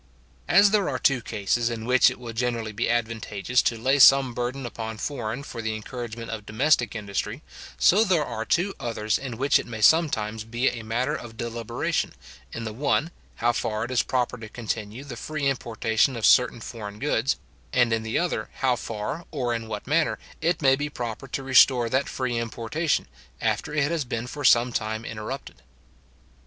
As there are two cases in which it will generally be advantageous to lay some burden upon foreign for the encouragement of domestic industry, so there are two others in which it may sometimes be a matter of deliberation, in the one, how far it is proper to continue the free importation of certain foreign goods; and, in the other, how far, or in what manner, it may be proper to restore that free importation, after it has been for some time interrupted.